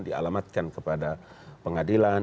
dialamatkan kepada pengadilan